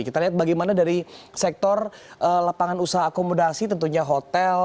kita lihat bagaimana dari sektor lapangan usaha akomodasi tentunya hotel